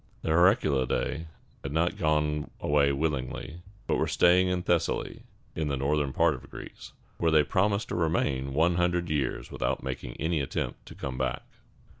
The Heraclidæ had not gone away willingly, but were staying in Thessaly, in the northern part of Greece, where they promised to remain one hundred years without making any attempt to come back.